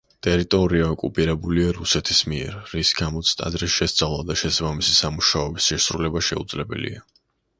ტერიტორია ოკუპირებულია რუსეთის მიერ, რის გამოც ტაძრის შესწავლა და შესაბამისი სამუშაოების შესრულება შეუძლებელია.